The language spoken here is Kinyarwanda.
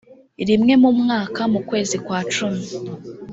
rimwe mu mwaka mu kwezi kwa cumi